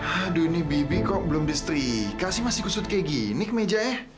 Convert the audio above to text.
aduh ini bibi kok belum di setrika sih masih kusut kayak gini kemejanya